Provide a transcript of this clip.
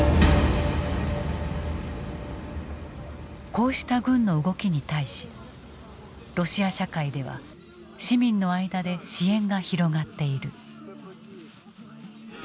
こうした軍の動きに対しロシア社会では市民の間で支援が広がっている。